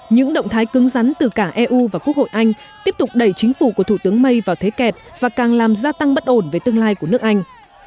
những động thái cứng rắn từ cả eu và quốc hội anh tiếp tục đẩy chính phủ của thủ tướng may vào thế kẹt và càng làm gia tăng bất ổn về tương lai của nước anh